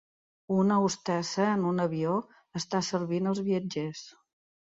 Una hostessa en un avió està servint als viatgers.